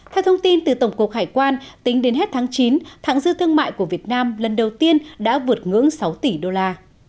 theo thông tin từ tổng cục hải quan tính đến hết tháng chín thẳng dư thương mại của việt nam lần đầu tiên đã vượt ngưỡng sáu tỷ đô la